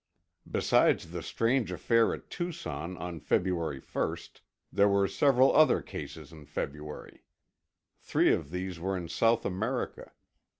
Besides the strange affair at Tucson on February 1, there were several other cases in February. Three of these were in South America.